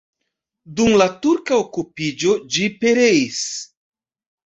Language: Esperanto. Dum la turka okupiĝo ĝi pereis.